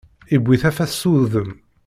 Iwwi tafat s wudem.